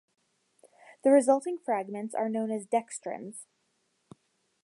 The resulting fragments are known as dextrins.